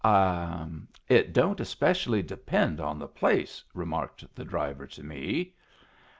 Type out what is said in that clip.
"It don't especially depend on the place," remarked the driver to me.